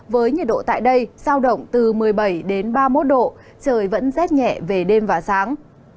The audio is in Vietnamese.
với nhiệt độ tại đây giao động từ một mươi bảy đến ba mươi một độ trời vẫn rét nhẹ về đêm và sáng